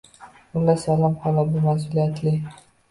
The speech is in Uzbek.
Xullas kalom, xola, bu ma’suliyatli